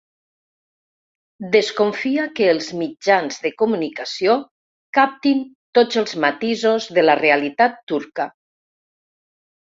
Desconfia que els mitjans de comunicació captin tots els matisos de la realitat turca.